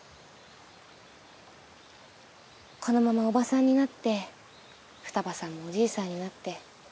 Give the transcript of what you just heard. このままおばさんになって二葉さんもおじいさんになって。